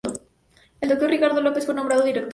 El doctor Ricardo López fue nombrado director.